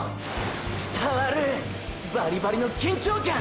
伝わるバリバリの緊張感！！